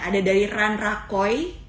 ada dari ran rakoy